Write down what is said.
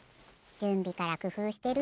じゅんびからくふうしてる。